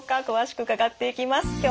詳しく伺っていきます。